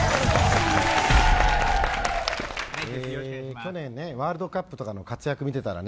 昨年のワールドカップとかの活躍見ていたらね